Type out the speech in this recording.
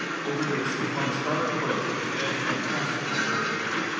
Over this he flung a scarlet cloak with its edge fantastically curved.